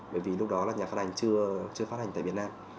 bởi vì lúc đó là nhà phát hành chưa phát hành tại việt nam